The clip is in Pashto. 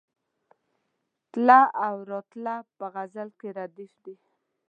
تله او راتله په غزل کې ردیف دی.